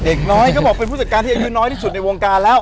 เด็กน้อยเขาบอกเป็นผู้จัดการที่อายุน้อยที่สุดในวงการแล้ว